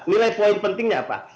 nilai poin pentingnya apa